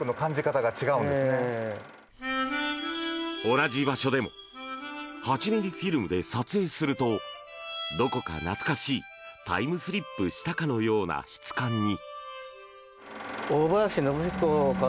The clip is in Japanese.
同じ場所でも８ｍｍフィルムで撮影するとどこか懐かしいタイムスリップしたかのような質感に。